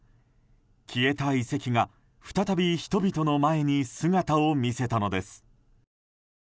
消えた遺跡が再び人々の前に姿を見せたのです。